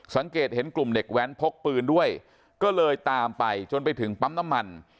สังเกตเห็นกลุ่มเด็กแว้นพกปืนด้วยก็เลยตามไปจนไปถึงปั๊มน้ำมัน